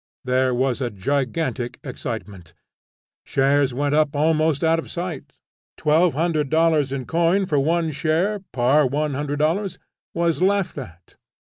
There was a gigantic excitement; shares went up almost out of sight. Twelve hundred dollars in coin for one share (par $100) was laughed at.